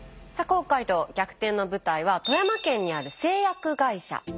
さあ今回の逆転の舞台は富山県にある製薬会社。